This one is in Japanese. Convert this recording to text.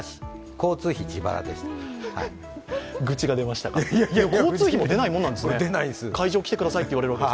交通費も出ないもんなんですね、会場に来てくださいというのに。